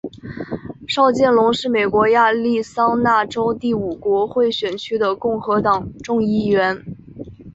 邵建隆是美国亚利桑那州第五国会选区的共和党众议员。